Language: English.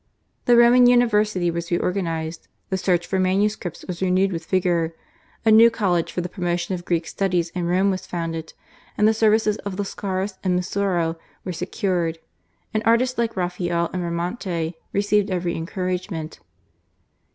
The Roman University was reorganised; the search for manuscripts was renewed with vigour; a new college for the promotion of Greek studies in Rome was founded, and the services of Lascaris and Musuro were secured; and artists like Raphael and Bramante received every encouragement.